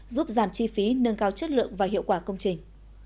giúp giảm chi phí nâng cao chất lượng và hiệu quả công trình